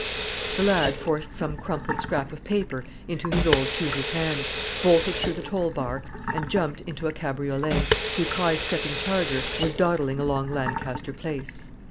The lad forced some crumpled scrap of paper into his old tutor's hand, bolted through the toll bar, and jumped into a cabriolet, whose high stepping charger was dawdling along Lancaster Place.